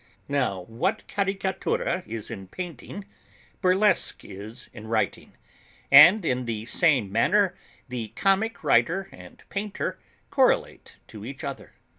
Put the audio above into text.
Now, what Caricatura is in painting, Burlesque is in writing; and in the same manner the comic writer and painter correlate to each other.